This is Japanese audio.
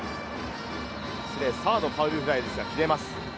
失礼、サードファウルフライですが、切れます。